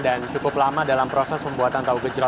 dan cukup lama dalam proses pembuatan tahu kecilnya